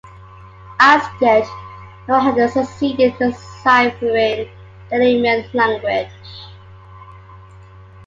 As yet, no one has succeeded in deciphering the Elymian language.